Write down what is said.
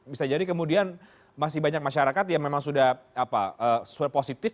bisa jadi kemudian masih banyak masyarakat yang memang sudah positif